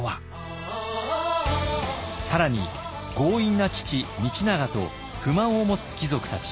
更に強引な父道長と不満を持つ貴族たち。